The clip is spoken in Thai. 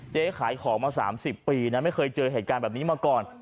เจ๊ขายของมา๓๐ปีนะไม่เคยเจอเหตุการณ์แบบนี้มาก่อน